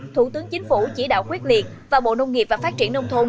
thủ tướng chính phủ chỉ đạo quyết liệt và bộ nông nghiệp và phát triển nông thôn